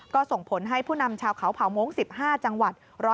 ก็ส่งผลให้ผู้นำชาวเขาเผาโม้ง๑๕จังหวัด